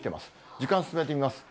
時間進めてみます。